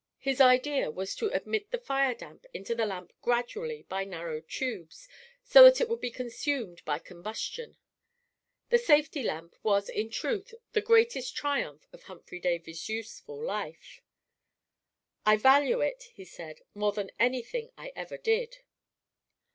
His idea was to admit the fire damp into the lamp gradually by narrow tubes, so that it would be consumed by combustion. The Safety Lamp was in truth the greatest triumph of Humphry Davy's useful life. "I value it," he said, "more than anything I ever did."